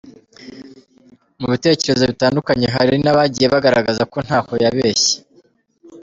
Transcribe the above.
Mu bitekerezo bitandukanye hari nabagiye bagaragaza ko ntaho yabeshye